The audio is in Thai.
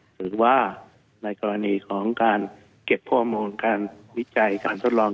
หรือว่าในกรณีของการเก็บข้อมูลการวิจัยการทดลอง